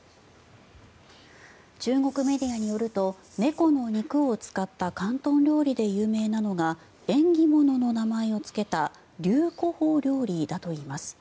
中国メディアによると猫の肉を使った広東料理で有名なのが縁起物の名前をつけた龍虎鳳料理だといいます。